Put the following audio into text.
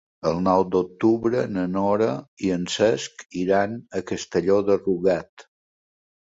El nou d'octubre na Nora i en Cesc iran a Castelló de Rugat.